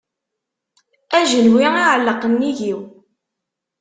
Ajenwi iεelleq nnig-iw.